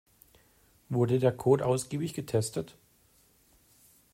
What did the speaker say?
Wurde der Code ausgiebig getestet?